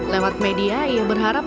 lewat media ia berharap